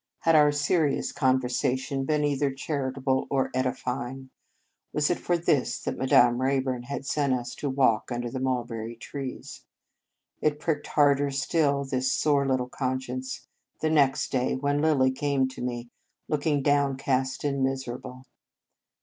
Had our " serious " conver sation been either charitable or edify ing? Was it for this that Madame Rayburn had sent us out to walk un der the mulberry trees? It pricked harder still this sore little conscience the next day, when Lilly came to me, looking downcast and miserable.